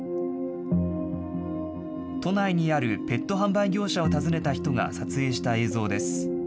都内にあるペット販売業者を訪ねた人が撮影した映像です。